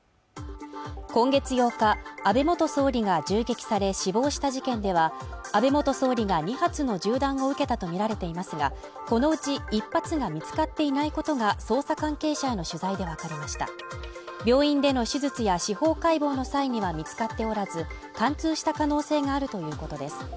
今月８日安倍元総理が銃撃され死亡した事件では安倍元総理が２発の銃弾を受けたと見られていますがこのうち１発が見つかっていないことが捜査関係者への取材で分かりました病院での手術や司法解剖の際には見つかっておらず貫通した可能性があるということです